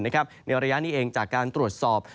ในระยะนี้เองจากการตรวจสอบ